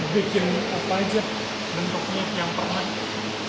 bikin apa aja bentuknya yang pernah